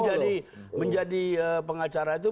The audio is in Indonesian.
jadi menjadi pengacara itu